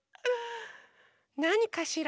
なにかしら？